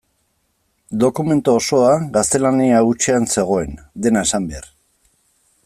Dokumentu osoa gaztelania hutsean zegoen, dena esan behar.